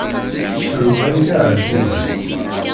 Tettru malika ɛzizen.